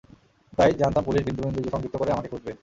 তাই, জানতাম পুলিশ বিন্দু বিন্দু সংযুক্ত করে আমাকে খুঁজবে।